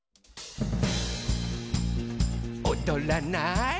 「おどらない？」